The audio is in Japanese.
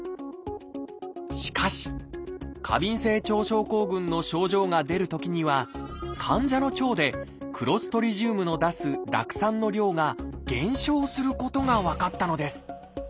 しかし過敏性腸症候群の症状が出るときには患者の腸でクロストリジウムの出す酪酸の量が減少することが分かったのです。